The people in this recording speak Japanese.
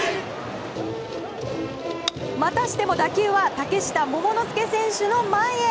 またしても打球は嶽下桃之介選手の前へ。